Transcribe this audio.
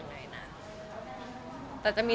แฟนคลับของคุณไม่ควรเราอะไรไง